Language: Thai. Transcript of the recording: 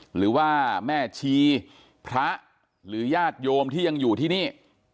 หรือว่าแม่ชีพระหรือญาติโยมที่ยังอยู่ที่นี่